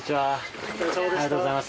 ありがとうございます。